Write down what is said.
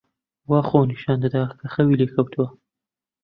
وا خۆی نیشان دەدا کە خەوی لێ کەوتووە.